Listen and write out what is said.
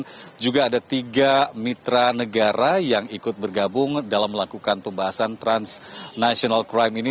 dan juga ada tiga mitra negara yang ikut bergabung dalam melakukan pembahasan transnational crime ini